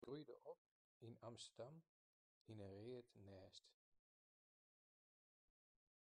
Se groeide op yn Amsterdam yn in read nêst.